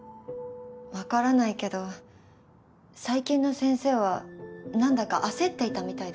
分からないけど最近の先生は何だか焦っていたみたいでした。